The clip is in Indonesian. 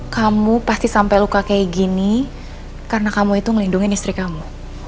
kamu pasti sampai luka kayak gini karena kamu itu ngelindungi istri kamu